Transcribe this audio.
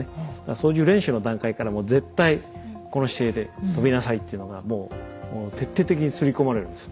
操縦練習の段階からもう絶対この姿勢で飛びなさいっていうのがもう徹底的にすり込まれるんです。